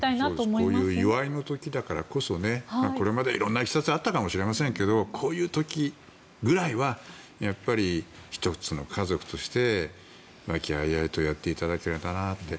こういう祝いの時だからこそこれまでいろんないきさつはあったかもしれませんけどこういう時ぐらいはやっぱり、１つの家族として和気あいあいとやっていただきたいなと。